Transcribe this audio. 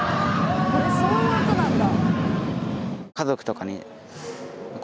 これそういう音なんだ。